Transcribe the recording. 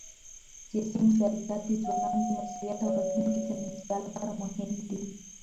سیاسي مشارکت د ځوانانو د مسؤلیت او راتلونکي د ژمنتیا لپاره مهم دی